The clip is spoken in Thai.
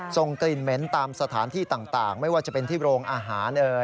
ส่งกลิ่นเหม็นตามสถานที่ต่างไม่ว่าจะเป็นที่โรงอาหาร